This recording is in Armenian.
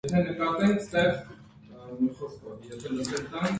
Երբեք չի խմել և չի ծխել։